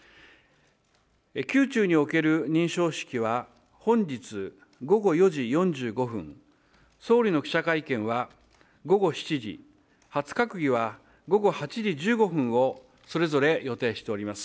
宮中における認証式は本日午後４時４５分、総理の記者会見は午後７時、初閣議は午後８時１５分をそれぞれ予定しております。